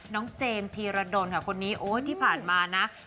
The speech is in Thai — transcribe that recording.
เจมส์ธีรดลค่ะคนนี้โอ๊ยที่ผ่านมานะ